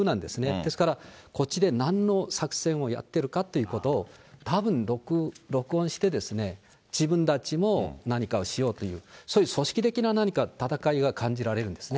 ですから、こっちでなんの作戦をやってるかということをたぶん録音して自分たちも何かをしようという、そういう組織的な何か戦いが感じられるんですね。